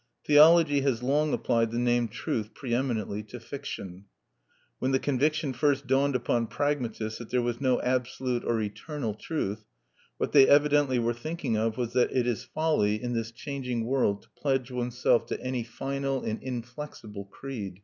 Theology has long applied the name truth pre eminently to fiction. When the conviction first dawned upon pragmatists that there was no absolute or eternal truth, what they evidently were thinking of was that it is folly, in this changing world, to pledge oneself to any final and inflexible creed.